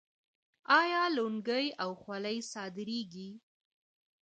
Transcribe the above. آیا لونګۍ او خولۍ صادریږي؟